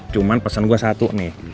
cuman pesen gue satu nih